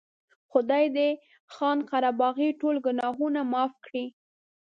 خدای دې خان قره باغي ټول ګناهونه معاف کړي.